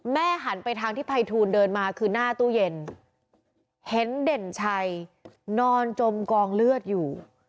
หันไปทางที่ภัยทูลเดินมาคือหน้าตู้เย็นเห็นเด่นชัยนอนจมกองเลือดอยู่